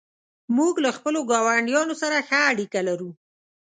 موږ له خپلو ګاونډیانو سره ښه اړیکه لرو.